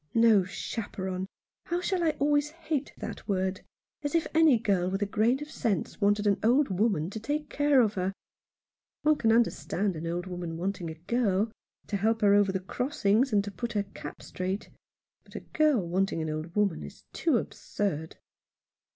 " No chaperon ! How I shall always hate that word ! As if any girl with a grain of sense wanted an old woman to take care of her ! One can understand an old woman wanting a girl — to help her over the crossings, and to put her cap straight. But a girl wanting an old woman is too absurd."